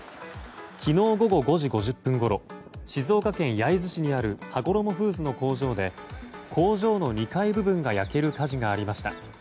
昨日、午後５時５０分ごろ静岡県焼津市にあるはごろもフーズの工場で工場の２階部分が焼ける火事がありました。